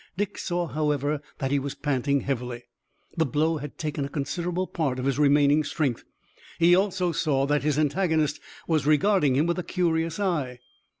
Dick saw, however, that he was panting heavily. The blow had taken a considerable part of his remaining strength. He also saw that his antagonist was regarding him with a curious eye.